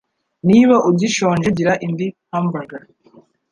Niba ugishonje gira indi hamburger